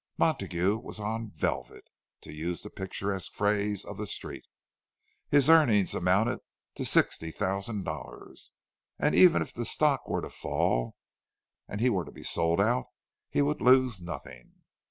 Montague was on "velvet," to use the picturesque phrase of the Street. His earnings amounted to sixty thousand dollars, and even if the stock were to fall and he were to be sold out, he would lose nothing.